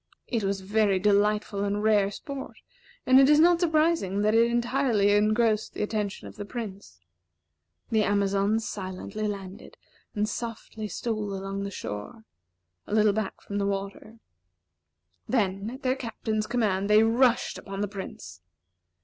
It was very delightful and rare sport, and it is not surprising that it entirely engrossed the attention of the Prince. The Amazons silently landed, and softly stole along the shore, a little back from the water. Then, at their Captain's command, they rushed upon the Prince.